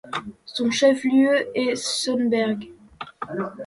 Son chef-lieu est Sonneberg.